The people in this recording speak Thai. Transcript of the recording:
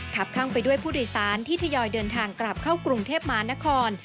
ข้างไปด้วยผู้โดยสารที่ทยอยเดินทางกลับเข้ากรุงเทพมหานคร